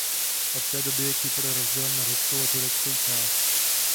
Od té doby je Kypr rozdělen na řeckou a tureckou část.